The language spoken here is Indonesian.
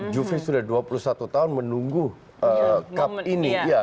jufi sudah dua puluh satu tahun menunggu cup ini